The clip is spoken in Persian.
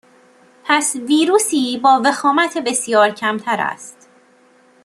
پس ویروسی با وخامت بسیار کمتر است